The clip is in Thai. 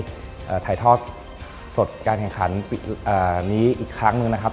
ถ่ายทอดสดการแข่งขันนี้อีกครั้งหนึ่งนะครับ